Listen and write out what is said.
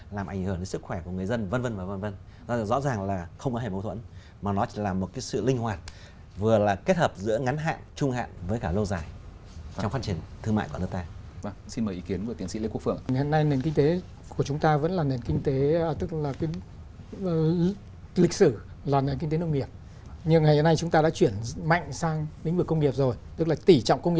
làm ảnh hưởng đến sức khỏe của người dân